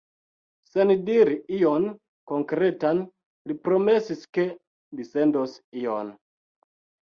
Sen diri ion konkretan, li promesis, ke li sendos ion.